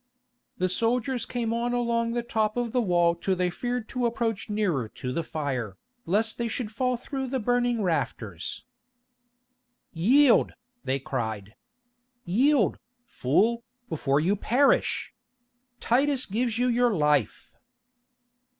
The soldiers came on along the top of the wall till they feared to approach nearer to the fire, lest they should fall through the burning rafters. "Yield!" they cried. "Yield, fool, before you perish! Titus gives you your life."